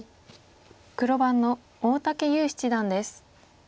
黒番の大竹優七段です。